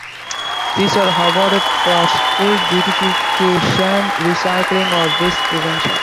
These are awarded for school beautification, recycling or waste prevention.